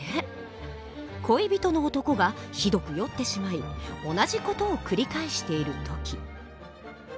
「恋人の男がひどく酔ってしまい同じ事を繰り返している時」。